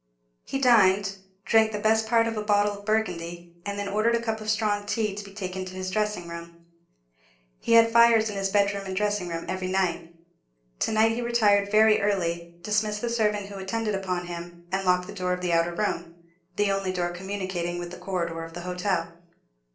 He dined, drank the best part of a bottle of Burgundy, and then ordered a cup of strong tea to be taken to his dressing room. He had fires in his bedroom and dressing room every night. To night he retired very early, dismissed the servant who attended upon him, and locked the door of the outer room, the only door communicating with the corridor of the hotel.